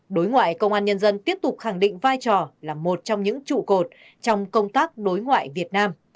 đối ngoại công an nhân dân tiếp tục khẳng định vai trò là một trong những trụ cột trong công tác đối ngoại việt nam